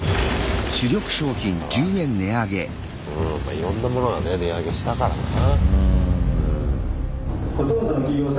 いろんなものがね値上げしたからな。